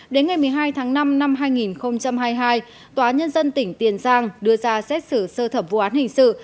đến ngày một mươi hai tháng năm năm hai nghìn hai mươi hai tòa nhân dân tỉnh tiền giang đưa ra xét xử sơ thẩm vụ án hình sự